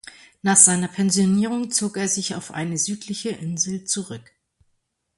Nach seiner Pensionierung zog er sich auf eine südliche Insel zurück.